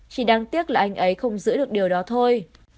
chỉ đáng tiếc là anh ấy không giữ được điều đó thôi